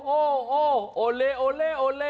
โอโอเลโอเล่โอเล่